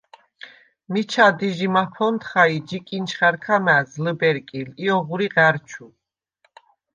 მიჩა დი ჟი მაფონთხა ი ჯი კინჩხა̈რქა მა̈ზ ლჷბერკილ ი ოღვრი ღა̈რჩუ.